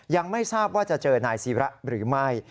ยังไม่ทราบว่าจะเจอนายศิระหรือไม่